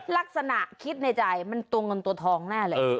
ลักษณะคิดในใจมันตัวเงินตัวทองแน่เลย